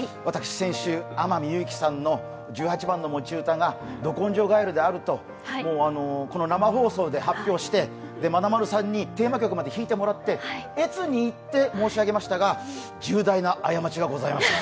先週、天海祐希さんの十八番の歌が「ど根性ガエル」であると、この生放送で発表してまなまるさんにテーマ曲まで弾いてもらって悦に入って、申し上げましたが、重大な過ちがございました。